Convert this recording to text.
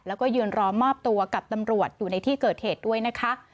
แล้วก็ยืนรอมอบตัวกับตำรวจอยู่ในที่เกิดเหตุด้วยนะคะ